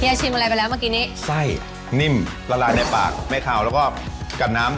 ชิมอะไรไปแล้วเมื่อกี้นี้ไส้นิ่มละลายในปากไม่คาวแล้วก็กับน้ำ